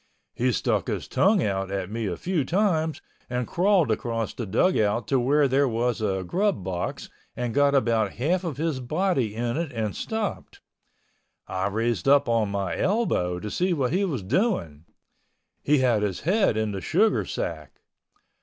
He stuck his tongue out at me a few times and crawled across the dugout to where there was a grub box and got about half of his body in it and stopped. I raised up on my elbow to see what he was doing. He had his head in the sugar sack.